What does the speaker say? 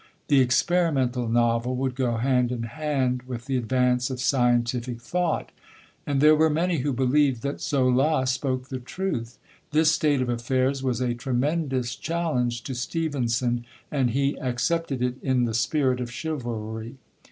The experimental novel would go hand in hand with the advance of scientific thought. And there were many who believed that Zola spoke the truth. This state of affairs was a tremendous challenge to Stevenson, and he accepted it in the spirit of chivalry.